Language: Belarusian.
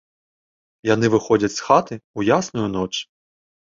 Яны выходзяць з хаты, у ясную ноч.